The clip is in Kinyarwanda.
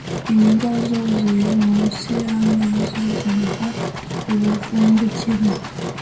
imbwa zo ziri munsi y ameza zirya ubuvungukira